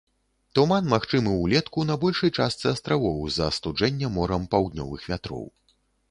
Туман магчымы ўлетку на большай частцы астравоў, з-за астуджэння морам паўднёвых вятроў.